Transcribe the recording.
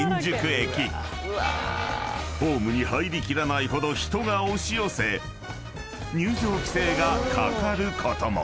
［ホームに入り切らないほど人が押し寄せ入場規制がかかることも］